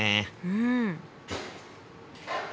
うん。